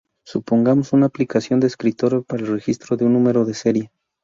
Supongamos una aplicación de escritorio para el registro de un número de serie.